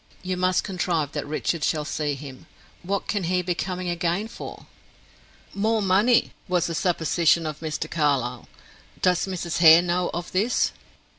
You must contrive that Richard shall see him. What can he be coming again for?" "More money," was the supposition of Mr. Carlyle. "Does Mrs. Hare know of this?"